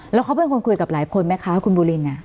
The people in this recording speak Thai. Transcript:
แล้วเขาเป็นคนคุยกับหลายคนไหมคะคุณบูริน